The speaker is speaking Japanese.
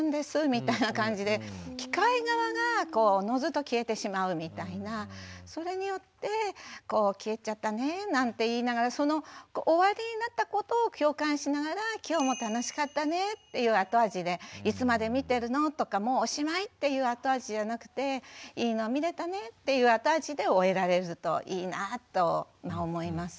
みたいな感じで機械側がおのずと消えてしまうみたいなそれによって「消えちゃったね」なんて言いながらその終わりになったことを共感しながら今日も楽しかったねっていう後味でいつまで見てるのとかもうおしまいっていう後味じゃなくていいの見れたねっていう後味で終えられるといいなぁと思います。